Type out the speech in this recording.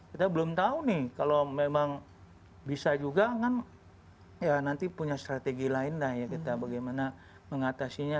kita belum tahu nih kalau memang bisa juga kan ya nanti punya strategi lain lah ya kita bagaimana mengatasinya